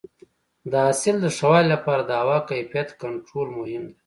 د حاصل د ښه والي لپاره د هوا کیفیت کنټرول مهم دی.